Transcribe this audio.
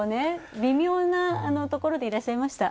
微妙なところでいらっしゃいました。